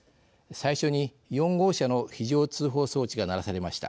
最初に、４号車の非常通報装置が鳴らされました。